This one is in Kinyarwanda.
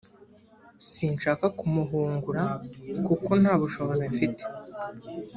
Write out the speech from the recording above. sinshaka kumuhungura kuko ntabushobozi pfite.